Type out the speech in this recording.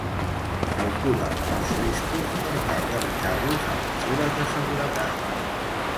Calcula els riscos per tal d'evitar-los amb mesures de seguretat.